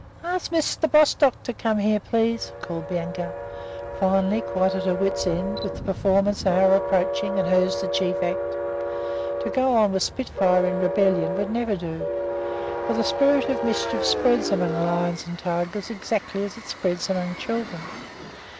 "Ask Mr. Bostock to please come here," called Bianca, finally, quite at her wit's end, with the performance hour approaching and hers the chief act. To go on with Spitfire in rebellion would never do, for the spirit of mischief spreads among lions and tigers exactly as it spreads among children.